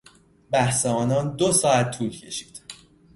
بحث آنان دو ساعت طول کشید.